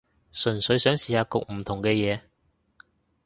純粹想試下焗唔同嘅嘢